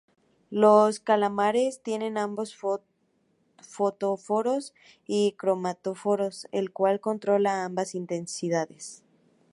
Los calamares tienen ambos fotóforos y cromatóforos el cual controla ambas intensidades.